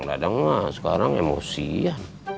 kak dadang mah sekarang emosi ya